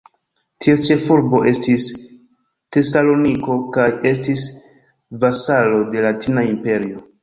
Ties ĉefurbo estis Tesaloniko kaj estis vasalo de la Latina imperio.